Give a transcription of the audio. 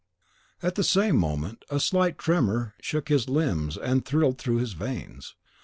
At the same moment a slight tremor shook his limbs and thrilled through his veins.